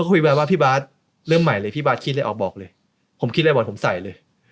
คิดอะไรออกบอกเลยผมคิดอะไรบอกอะไรผมใส่เลย